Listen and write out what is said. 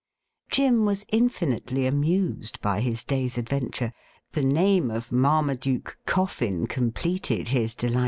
Jim was infinitely amused by his day's adventure. The name of Marmaduke Coffin completed his delight.